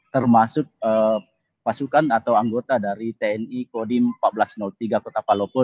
termasuk pasukan atau anggota dari tni kodim seribu empat ratus tiga kota palopor